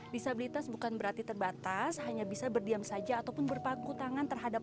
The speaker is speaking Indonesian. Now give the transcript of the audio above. disabilitas bukan berarti terbatas hanya bisa berdiam saja ataupun berpaku tangan terhadap